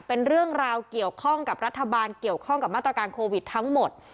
เป็นเรื่องราวเกี่ยวข้องกับรัฐบาลเกี่ยวข้องกับมาตรการโควิดทั้งหมด